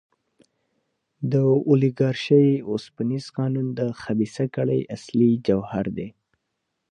د اولیګارشۍ اوسپنیز قانون د خبیثه کړۍ اصلي جوهر دی.